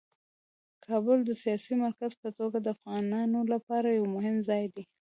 کابل د سیاسي مرکز په توګه د افغانانو لپاره یو مهم ځای دی.